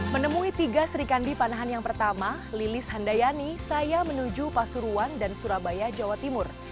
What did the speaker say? menemui tiga serikandi panahan yang pertama lilis handayani saya menuju pasuruan dan surabaya jawa timur